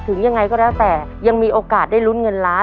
ยังไงก็แล้วแต่ยังมีโอกาสได้ลุ้นเงินล้าน